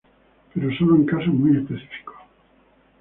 Pero solo en casos muy específicos.